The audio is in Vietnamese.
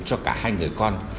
cho cả hai người con